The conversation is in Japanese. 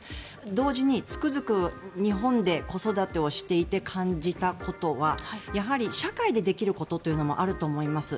同時につくづく、日本で子育てをしていて感じたことはやはり社会でできることというのもあると思います。